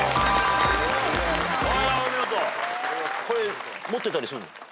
これ持ってたりするの？